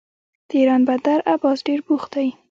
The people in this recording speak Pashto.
د ایران بندر عباس ډیر بوخت دی.